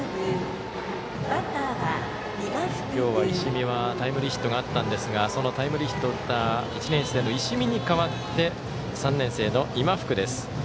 今日は石見はタイムリーヒットあったんですがそのタイムリーヒットを打った１年生の石見に代わって３年生の今福です。